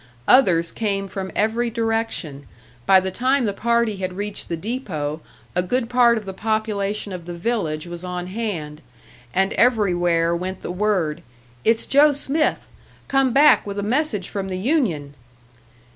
Others came from every direction by the time the party had reached the depot, a good part of the population of the village was on hand; and everywhere went the word, "It's Joe Smith! Come back with a message from the union!"